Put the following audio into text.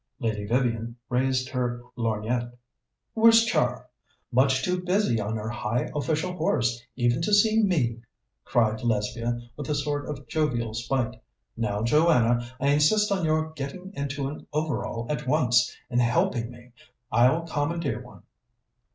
Lady Vivian raised her lorgnette. "Where's Char?" "Much too busy on her high official horse even to see me," cried Lesbia with a sort of jovial spite. "Now, Joanna, I insist upon your getting into an overall at once, and helping me. I'll commandeer one."